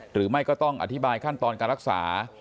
หรือไม่ก็ต้องอธิบายขั้นตอนการรักษา